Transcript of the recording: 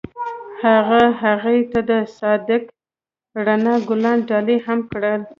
هغه هغې ته د صادق رڼا ګلان ډالۍ هم کړل.